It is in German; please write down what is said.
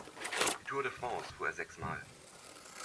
Die Tour de France fuhr er sechsmal.